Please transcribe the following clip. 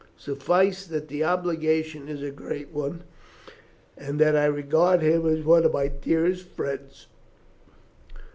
Suffice that the obligation is a great one, and that I regard him as one of my dearest friends.